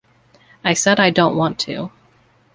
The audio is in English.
I said, I don't want to.